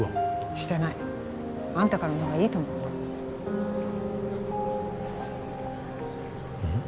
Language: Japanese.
してないあんたからの方がいいと思ってうん？